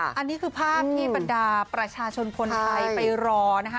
อันนี้คือภาพที่บรรดาประชาชนคนไทยไปรอนะคะ